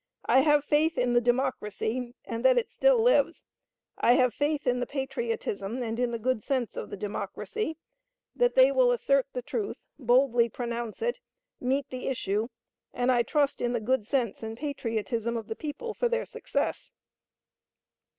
I have faith in the Democracy, and that it still lives. I have faith in the patriotism and in the good sense of the Democracy, that they will assert the truth, boldly pronounce it, meet the issue, and I trust in the good sense and patriotism of the people for their success.